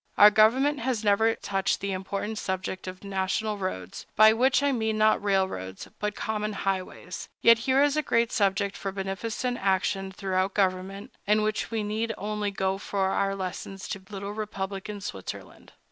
Our government has never touched the important subject of national roads, by which I mean not railroads, but common highways; yet here is a great subject for beneficent action through government, in which we need only go for our lessons to little republican Switzerland.